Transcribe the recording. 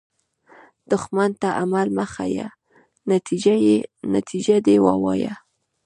دښمن ته عمل مه ښیه، نتیجه دې ووایه